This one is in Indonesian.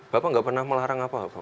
bapak nggak pernah melarang apa apa